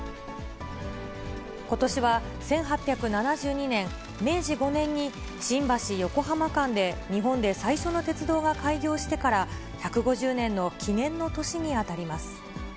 ことしは１８７２年・明治５年に新橋・横浜間で日本で最初の鉄道が開業してから１５０年の記念の年に当たります。